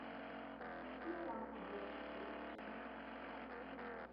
以薛王李业之子李珍嗣岐王。